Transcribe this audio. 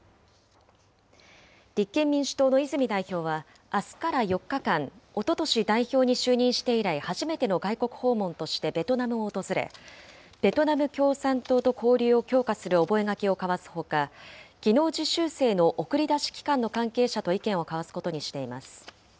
立憲民主党の泉代表は、あすから４日間、おととし代表に就任して以来初めての外国訪問としてベトナムを訪れ、ベトナム共産党と交流を強化する覚書を交わすほか、技能実習生の送り出し機関の関係者と意見を交わすことにしています。